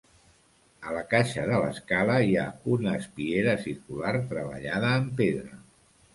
A la caixa de l'escala hi ha una espiera circular treballada en pedra.